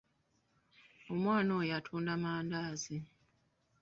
Omwana oyo atunda mandaazi.